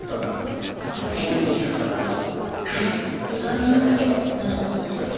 変なリスクとかより金！っていう人だけをチョイス。